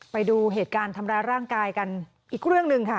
ไปดูเหตุการณ์ทำร้ายร่างกายกันอีกเรื่องหนึ่งค่ะ